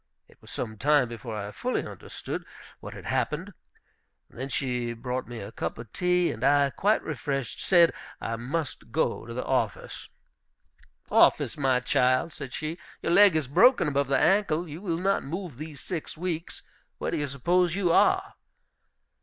It was some time before I fully understood what had happened. Then she brought me a cup of tea, and I, quite refreshed, said I must go to the office. "Office, my child!" said she. "Your leg is broken above the ankle; you will not move these six weeks. Where do you suppose you are?"